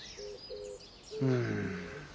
うん。